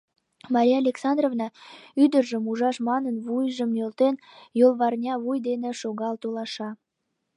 Мария Александровна, ӱдыржым ужаш манын, вуйжым нӧлтен, йолварнявуй дене шогал толаша.